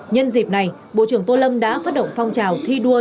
nhân dịp này bộ trưởng tô lâm đã phát động phong trào thi đua